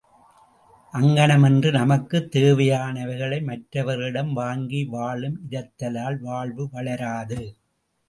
அங்ஙணமின்றி நமக்குத் தேவையானவைகளை மற்றவர்களிடம் வாங்கி வாழும் இரத்தலால் வாழ்வு வளராது.